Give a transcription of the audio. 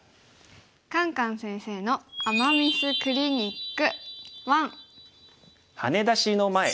「カンカン先生の“アマ・ミス”クリニック１」。